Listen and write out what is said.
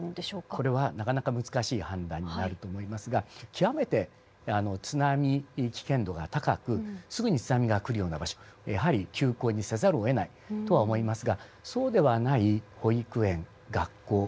これはなかなか難しい判断になると思いますが極めて津波危険度が高くすぐに津波が来るような場所やはり休校にせざるをえないとは思いますがそうではない保育園学校病院福祉施設